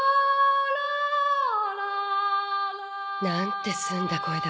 何て澄んだ声だ。